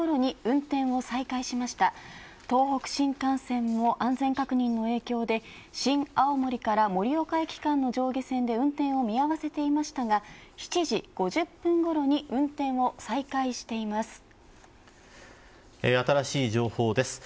また、東北新幹線は安全確認の影響で新青森から盛岡駅間の上下線で運転を見合わせていましたが７時５０分ごろに運転を再開しました。